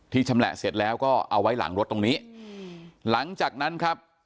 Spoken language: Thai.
ชำแหละเสร็จแล้วก็เอาไว้หลังรถตรงนี้หลังจากนั้นครับ